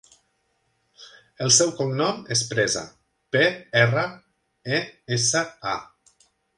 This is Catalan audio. El seu cognom és Presa: pe, erra, e, essa, a.